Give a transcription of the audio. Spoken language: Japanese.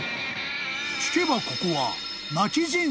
［聞けばここは］